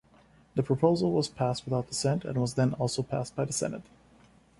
The proposal was passed without dissent, and was then also passed by the Senate.